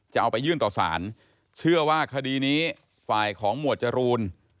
จะเอาไปยื่นต่อสารเชื่อว่าคดีนี้ฝ่ายของหมวดจรูน